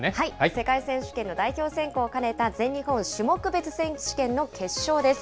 世界選手権の代表選考を兼ねた全日本種目別選手権の決勝です。